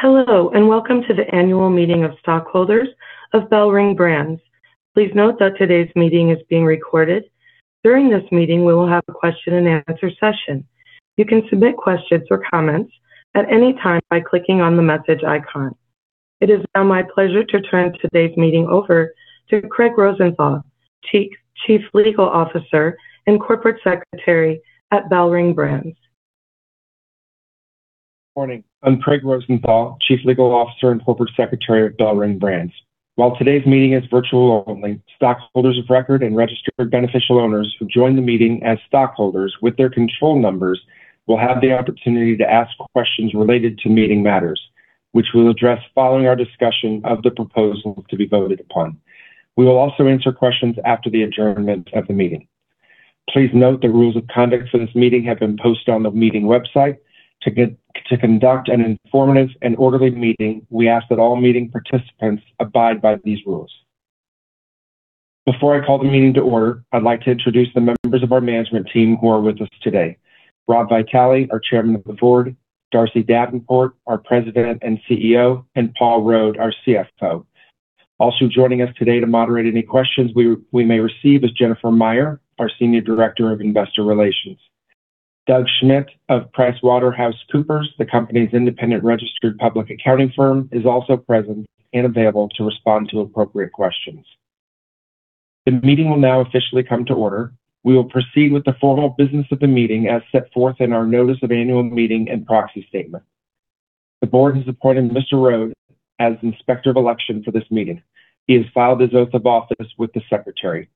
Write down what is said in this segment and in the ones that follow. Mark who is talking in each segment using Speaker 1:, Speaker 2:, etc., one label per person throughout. Speaker 1: Hello, and welcome to the annual meeting of stockholders of BellRing Brands. Please note that today's meeting is being recorded. During this meeting, we will have a question and answer session. You can submit questions or comments at any time by clicking on the message icon. It is now my pleasure to turn today's meeting over to Craig Rosenthal, Chief Legal Officer and Corporate Secretary at BellRing Brands.
Speaker 2: Morning. I'm Craig Rosenthal, Chief Legal Officer and Corporate Secretary of BellRing Brands. While today's meeting is virtual only, stockholders of record and registered beneficial owners who join the meeting as stockholders with their control numbers will have the opportunity to ask questions related to meeting matters, which we'll address following our discussion of the proposals to be voted upon. We will also answer questions after the adjournment of the meeting. Please note, the rules of conduct for this meeting have been posted on the meeting website. To conduct an informative and orderly meeting, we ask that all meeting participants abide by these rules. Before I call the meeting to order, I'd like to introduce the members of our management team who are with us today. Rob Vitale, our Chairman the Board, Darcy Davenport, our President and CEO, and Paul Rode, our CFO. Also joining us today to moderate any questions we may receive is Jennifer Meyer, our Senior Director of Investor Relations. Doug Schmidt of PricewaterhouseCoopers, the company's independent registered public accounting firm, is also present and available to respond to appropriate questions. The meeting will now officially come to order. We will proceed with the formal business of the meeting as set forth in our Notice of Annual Meeting and Proxy the Board has appointed Mr. Rode as Inspector of Election for this meeting. He has filed his oath of office with the secretary.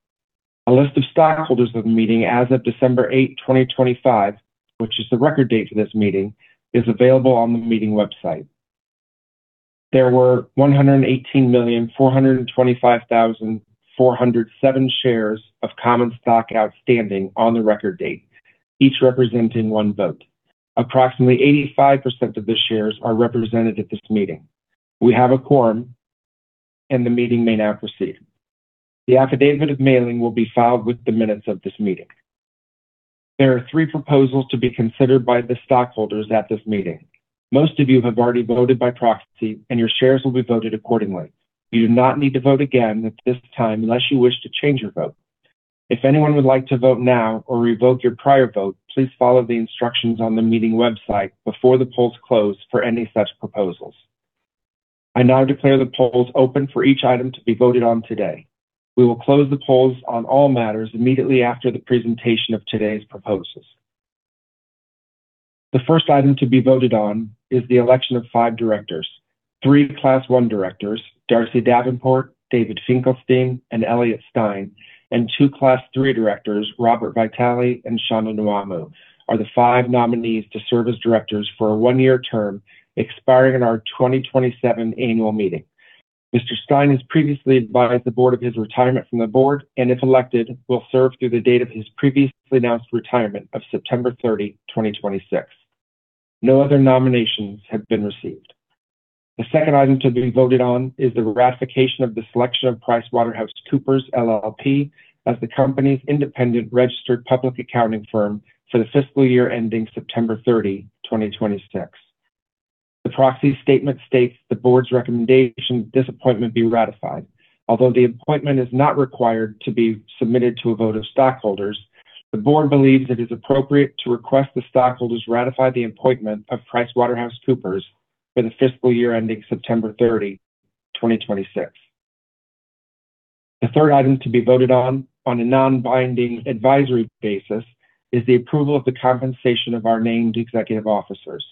Speaker 2: A list of stockholders of the meeting as of December 8, 2025, which is the Record Date for this meeting, is available on the meeting website. There were 118,425,407 shares of common stock outstanding on the record date, each representing one vote. Approximately 85% of the shares are represented at this meeting. We have a quorum, and the meeting may now proceed. The affidavit of mailing will be filed with the minutes of this meeting. There are three proposals to be considered by the stockholders at this meeting. Most of you have already voted by proxy, and your shares will be voted accordingly. You do not need to vote again at this time unless you wish to change your vote. If anyone would like to vote now or revoke your prior vote, please follow the instructions on the meeting website before the polls close for any such proposals. I now declare the polls open for each item to be voted on today. We will close the polls on all matters immediately after the presentation of today's proposals. The first item to be voted on is the election of five directors. Three Class One directors, Darcy Davenport, David Finkelstein, and Elliot Stein, and two Class Three directors, Robert Vitale and Chonda Nwamu, are the five nominees to serve as directors for a one-year term expiring in our 2027 annual meeting. Mr. Stein has previously the Board of his retirement the Board and, if elected, will serve through the date of his previously announced retirement of September 30, 2026. No other nominations have been received. The second item to be voted on is the ratification of the selection of PricewaterhouseCoopers LLP as the company's independent registered public accounting firm for the fiscal year ending September 30, 2026. The proxy statement the Board's recommendation this appointment be ratified. Although the appointment is not required to be submitted to a vote of the Board believes it is appropriate to request the stockholders ratify the appointment of PricewaterhouseCoopers for the fiscal year ending September 30, 2026. The third item to be voted on, on a non-binding advisory basis, is the approval of the compensation of our named executive officers.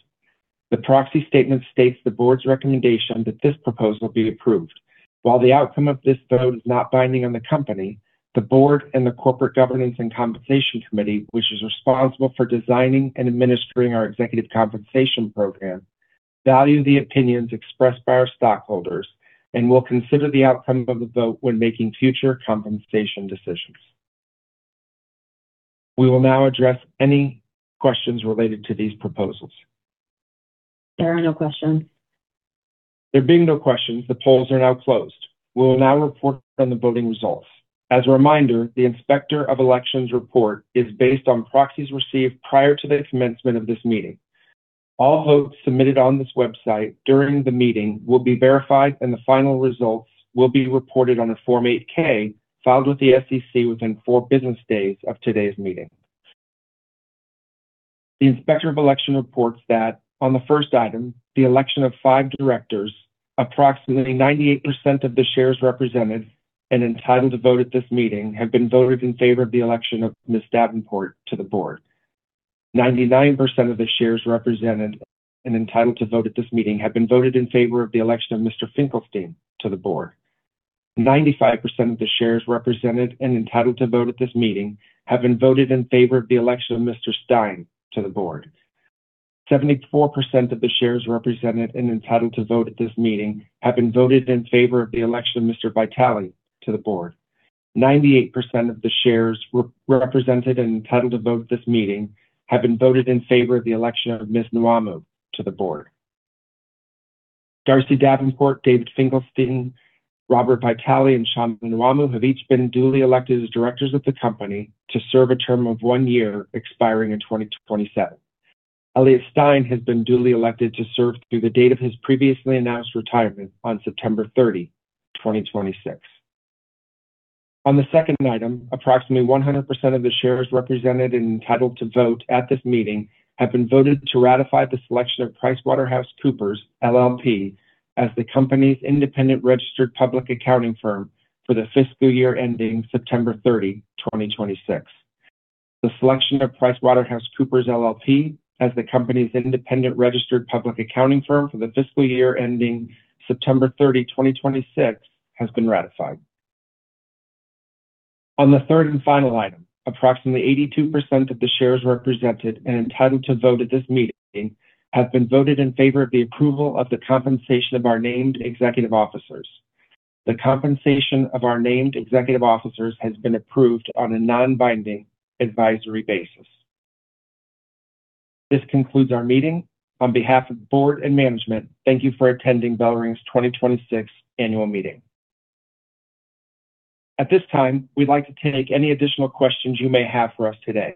Speaker 2: The proxy statement the Board's recommendation that this proposal be approved. While the outcome of this vote is not binding on the the Board and the Corporate Governance and Compensation Committee, which is responsible for designing and administering our executive compensation program, value the opinions expressed by our stockholders and will consider the outcome of the vote when making future compensation decisions. We will now address any questions related to these proposals.
Speaker 1: There are no questions.
Speaker 2: There being no questions, the polls are now closed. We will now report on the voting results. As a reminder, the Inspector of Election's report is based on proxies received prior to the commencement of this meeting. All votes submitted on this website during the meeting will be verified, and the final results will be reported on a Form 8-K filed with the SEC within four business days of today's meeting. The Inspector of Election reports that on the first item, the election of five directors, approximately 98% of the shares represented and entitled to vote at this meeting have been voted in favor of the election of Ms. Davenport to the Board. 99% of the shares represented and entitled to vote at this meeting have been voted in favor of the election of Mr. Finkelstein to the Board. 95% of the shares represented and entitled to vote at this meeting have been voted in favor of the election of Mr. Stein to the Board. 74% of the shares represented and entitled to vote at this meeting have been voted in favor of the election of Mr. Vitale to the Board. 98% of the shares represented and entitled to vote at this meeting have been voted in favor of the election of Ms. Nwamu to the Board. Darcy Davenport, David Finkelstein, Robert Vitale, and Chonda Nwamu have each been duly elected as directors of the company to serve a term of one year, expiring in 2027. Elliot Stein has been duly elected to serve through the date of his previously announced retirement on September 30, 2026. On the second item, approximately 100% of the shares represented and entitled to vote at this meeting have been voted to ratify the selection of PricewaterhouseCoopers LLP as the company's independent registered public accounting firm for the fiscal year ending September 30, 2026. The selection of PricewaterhouseCoopers LLP as the company's independent registered public accounting firm for the fiscal year ending September 30, 2026, has been ratified. On the third and final item, approximately 82% of the shares represented and entitled to vote at this meeting have been voted in favor of the approval of the compensation of our named executive officers. The compensation of our named executive officers has been approved on a non-binding advisory basis. This concludes our meeting. On behalf the Board and Management, thank you for attending BellRing's 2026 annual meeting. At this time, we'd like to take any additional questions you may have for us today.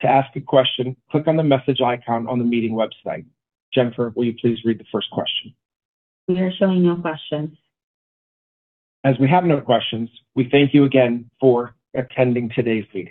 Speaker 2: To ask a question, click on the message icon on the meeting website. Jennifer, will you please read the first question?
Speaker 1: We are showing no questions.
Speaker 2: As we have no questions, we thank you again for attending today's meeting.